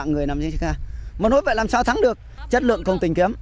không biết bao nhiêu mạng người nằm trên xe xe một nỗi vậy làm sao thắng được chất lượng còn tỉnh kiếm